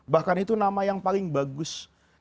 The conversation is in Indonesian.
bahkan itu nama yang paling bagus